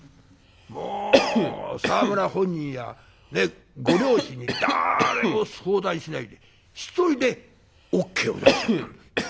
もう沢村本人やご両親にだれも相談しないで一人でＯＫを出しちゃったんです。